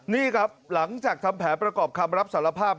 นี่ครับหลังจากทำแผนประกอบคำรับสารภาพ